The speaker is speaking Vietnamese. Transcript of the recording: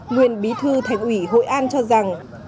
nguyên bí thư thành ủy hội an cho rằng